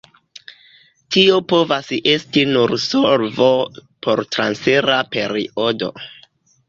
Tio povas esti nur solvo por transira periodo.